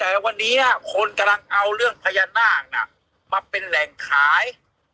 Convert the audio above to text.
แต่วันนี้คนกำลังเอาเรื่องพญานาคมาเป็นแหล่งขาย